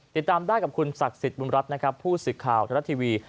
ติดตามได้กับคุณศักดิ์สิทธิ์บุญรัฐนะครับผู้สื่อข่าวทรัฐทีวี